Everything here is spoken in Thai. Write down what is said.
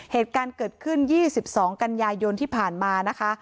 เหตุการณ์เกิดขึ้น๒๒กันยายนที่ผ่านมานะคะ